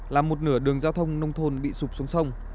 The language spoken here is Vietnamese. làm một nửa đường giao thông nông thôn bị sụp xuống sông